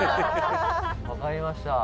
「わかりました。